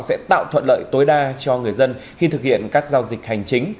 sẽ tạo thuận lợi tối đa cho người dân khi thực hiện các giao dịch hành chính